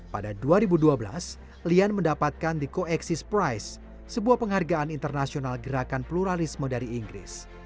pada dua ribu dua belas lian mendapatkan the co exis price sebuah penghargaan internasional gerakan pluralisme dari inggris